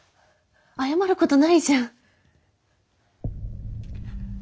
謝ることないじゃん。